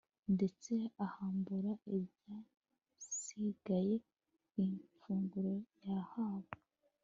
ndetse ahambura ibyasigaye ku ifunguro yahawe